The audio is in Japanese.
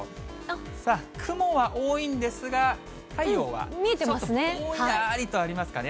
さあ、雲は多いんですが、太陽はちょっとぼんやりとありますかね。